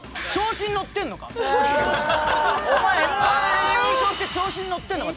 「お前Ｍ−１優勝して調子にのってんのか！」